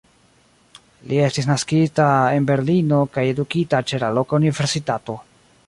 Li estis naskita en Berlino kaj edukita ĉe la loka universitato.